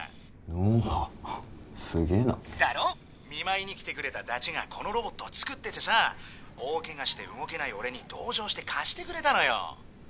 見舞いに来てくれただちがこのロボットを作っててさ大ケガして動けない俺に同情して貸してくれたのよ。